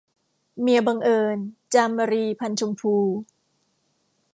เมียบังเอิญ - จามรี พรรณชมพู